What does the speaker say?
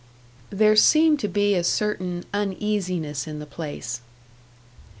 There seemed to be a certain uneasiness in the place.